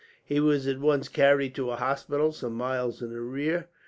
He was at once carried to a hospital, some miles in the rear.